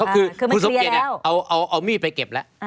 คุณสมเกียจเนี่ยเอามี่ไปเก็บแล้ว